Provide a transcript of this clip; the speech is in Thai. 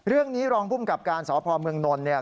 เรื่องนี้รองพุ่มกลับการสพเมืองนนเนี่ย